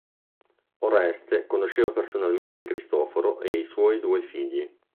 Oreste conosceva personalmente Cristoforo e i suoi due figli.